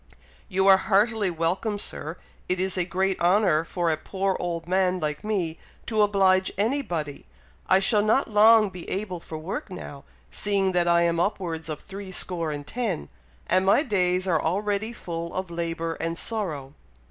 "You are heartily welcome, Sir! It is a great honour for a poor old man like me to oblige anybody. I shall not long be able for work now, seeing that I am upwards of threescore and ten, and my days are already full of labour and sorrow."